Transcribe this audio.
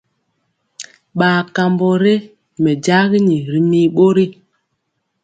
Bar kambɔ ré mɛjagini ri mir bori.